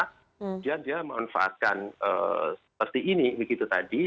kemudian dia memanfaatkan seperti ini begitu tadi